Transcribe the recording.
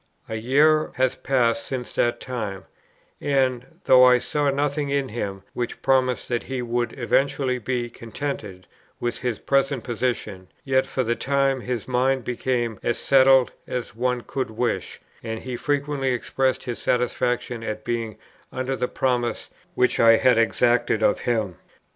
A year has passed since that time, and, though I saw nothing in him which promised that he would eventually be contented with his present position, yet for the time his mind became as settled as one could wish, and he frequently expressed his satisfaction at being under the promise which I had exacted of him."